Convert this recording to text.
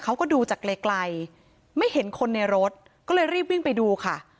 เขาก็ดูจากไกลไกลไม่เห็นคนในรถก็เลยรีบวิ่งไปดูค่ะ